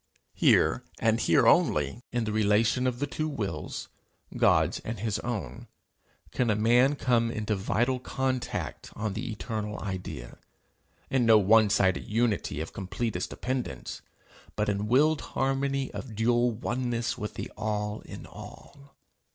Here, and here only, in the relation of the two wills, God's and his own, can a man come into vital contact on the eternal idea, in no one sided unity of completest dependence, but in willed harmony of dual oneness with the All in all.